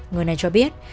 người này cho biết